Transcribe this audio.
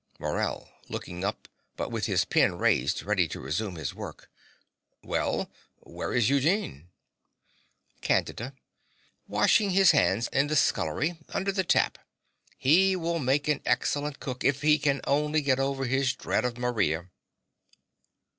MORELL (looking up, but with his pen raised ready to resume his work). Well? Where is Eugene? CANDIDA. Washing his hands in the scullery under the tap. He will make an excellent cook if he can only get over his dread of Maria.